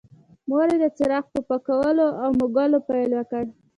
مور یې د څراغ په پاکولو او موږلو پیل وکړ.